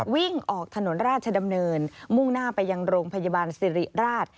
วิ่งออกถนนราชดำเนินมุ่งหน้าไปยังโรงพยาบาลสิริราช